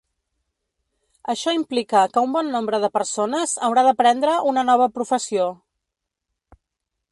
Això implica que un bon nombre de persones haurà d’aprendre una nova professió.